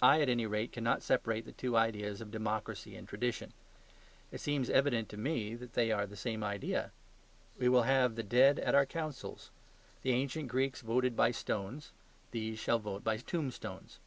I, at any rate, cannot separate the two ideas of democracy and tradition; it seems evident to me that they are the same idea. We will have the dead at our councils. The ancient Greeks voted by stones; these shall vote by tombstones.